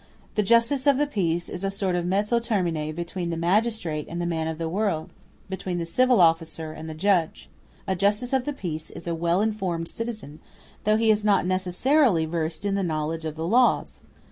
The Justice of the Peace is a sort of mezzo termine between the magistrate and the man of the world, between the civil officer and the judge. A justice of the peace is a well informed citizen, though he is not necessarily versed in the knowledge of the laws.